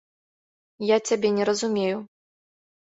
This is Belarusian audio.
Я цябе не разумею.